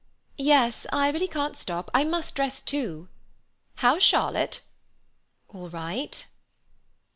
"Yes. I really can't stop. I must dress too." "How's Charlotte?" "All right."